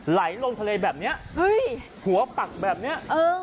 ไหลลงทะเลแบบเนี้ยเฮ้ยหัวปักแบบเนี้ยเออ